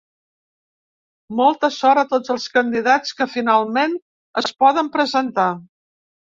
Molta sort a tots els candidats que finalment es poden presentar.